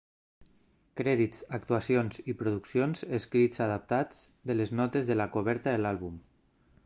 Crèdits, actuacions i produccions escrits adaptats de les notes de la coberta de l'àlbum.